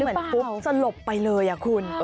คุณเป็นแม่เหมือนปุ๊บสลบไปเลยคุณ